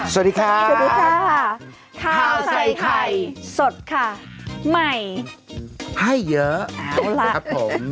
สวัสดีค่ะสวัสดีค่ะข้าวใส่ไข่สดค่ะใหม่ให้เยอะเอาล่ะครับผม